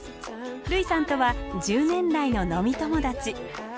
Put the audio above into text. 類さんとは１０年来の飲み友達。